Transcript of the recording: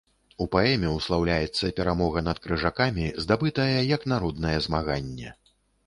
У паэме услаўляецца перамога над крыжакамі, здабытая як народнае змаганне.